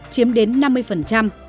chiếm đến năm mươi triệu đồng